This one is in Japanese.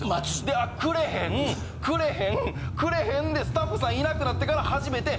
でくれへんくれへんくれへんでスタッフさんいなくなってから初めて。